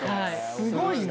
すごいな。